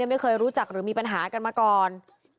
ไม่เคยรู้จักหรือมีปัญหากันมาก่อน